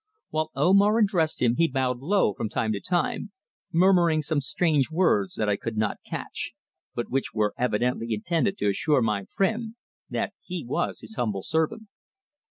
While Omar addressed him he bowed low from time to time, murmuring some strange words that I could not catch, but which were evidently intended to assure my friend that he was his humble servant.